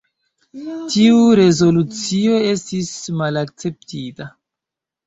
Tiu rezolucio estis malakceptita.